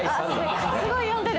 すごい読んでる。